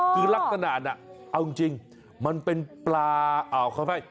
คือรักษณะเอาจริงมันเป็นปลาอ้าวคำไว้